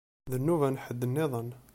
D nnuba n ḥedd-nniḍen.